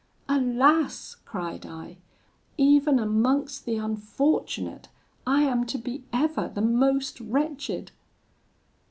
'Alas!' cried I, 'even amongst the unfortunate, I am to be ever the most wretched!'